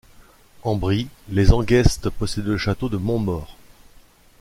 En Brie, les Hangest possédaient le château de Montmort.